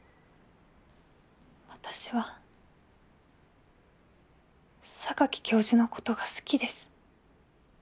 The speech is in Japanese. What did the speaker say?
私は教授のことが好きです。